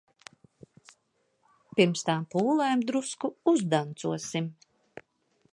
Pirms tām pūlēm drusku uzdancosim.